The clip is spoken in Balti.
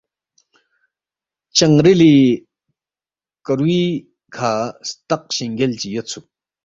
چنگرِلی کرُوی کھہ ستق شِنگیل چی یودسُوک